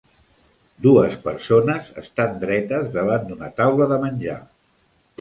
Dues persones estan dretes davant d'una taula de menjar.